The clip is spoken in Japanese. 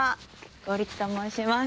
剛力と申します。